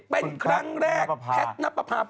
เป็นคลั่งแรกแพทย์นับภัพรรณ์